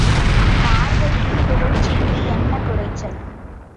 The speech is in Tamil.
பார்வதியின் புகழ்ச்சிக்கு என்ன குறைச்சல்?